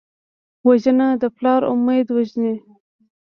وژنه د پلار امید وژني